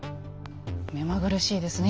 目まぐるしいですね